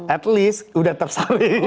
at least udah tersaring